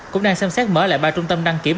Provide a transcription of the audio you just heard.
cũng đang xem xét mở lại ba trung tâm đăng kiểm